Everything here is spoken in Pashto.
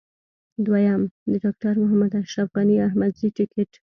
درېم: د ډاکټر محمد اشرف غني احمدزي ټکټ.